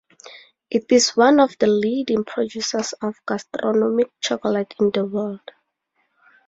It is one of the leading producers of gastronomic chocolate in the world.